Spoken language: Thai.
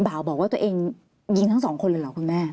เบาบอกว่าตัวเองยิงทั้ง๒คนหรือเหรอคุณแม่